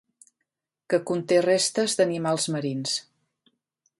Que conté restes d'animals marins.